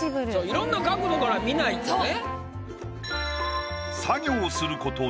いろんな角度から見ないとね。